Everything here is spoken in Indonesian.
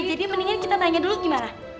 jadi mendingan kita tanya dulu gimana